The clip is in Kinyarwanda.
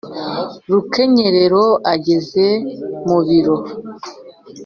Rukenyerero agere mu bibero